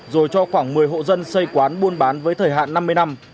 rồi cho khoảng một mươi hộ dân xây quán buôn bán với thời hạn năm mươi năm